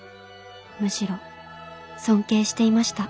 むしろ尊敬していました。